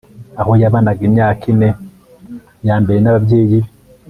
aho yabanaga imyaka ine yambere nababyeyi be